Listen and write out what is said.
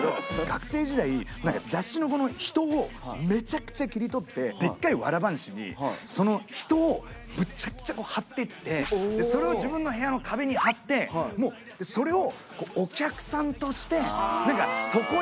学生時代何か雑誌のこの人をめちゃくちゃ切り取ってでっかいわら半紙にその人をむちゃくちゃこう貼ってってそれを自分の部屋の壁に貼ってもう思い出しましたよ